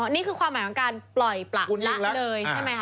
อ๋อนี่คือความหมายว่าการปล่อยประเนื้อเลยใช่ไหมฮะ